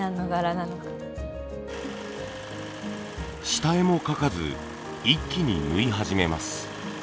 下絵も描かず一気に縫い始めます。